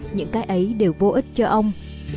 những cái ấy đều vô ích cho ông